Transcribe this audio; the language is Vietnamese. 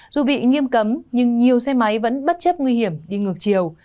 dù bị nghiêm cấm nhưng nhiều xe máy vẫn bất chấp nguy hiểm đi ngược chiều